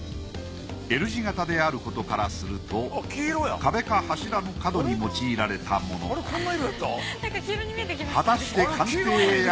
Ｌ字型であることからすると壁か柱の角に用いられたものかあれ！？